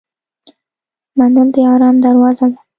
منل د آرام دروازه ده.